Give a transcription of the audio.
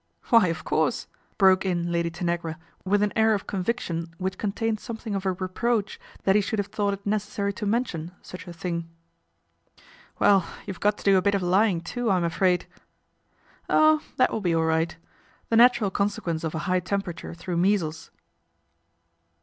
" Why, of course," broke in Lady Tanagra with an air of conviction which contained something of a reproach that he should have thought it necessary to mention such a thing. " Well, you've got to do a bit of lying, too, I'm afraid." " Oh ! that will be all right. The natural con sequence of a high temperature through measles."